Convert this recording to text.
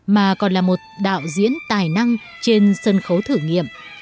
mà còn là một đạo diễn tài năng trên sân khấu thử nghiệm